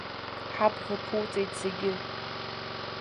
Ҳабӷа ԥуҵәеит зегьы.